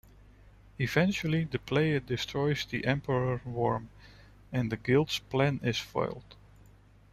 Eventually the player destroys the Emperor Worm, and the Guild's plan is foiled.